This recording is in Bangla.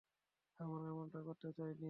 আমরা এমনটা করতে চাইনি।